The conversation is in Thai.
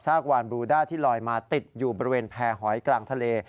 กวานบลูด้าที่ลอยมาติดอยู่บริเวณแพร่หอยกลางทะเล